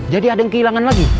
jadi ada yang kehilangan lagi